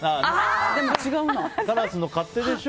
カラスの勝手でしょ